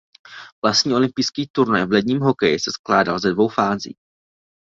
Vlastní olympijský turnaj v ledním hokeji se skládal ze dvou fází.